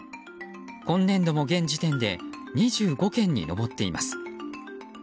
今年度も現時点で２５件に上っています。